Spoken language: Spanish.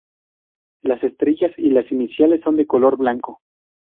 Las estrellas y las iniciales son de color blanco.